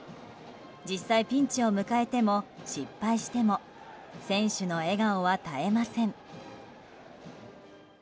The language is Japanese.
実際ピンチを迎えても失敗しても選手の笑顔は絶えません。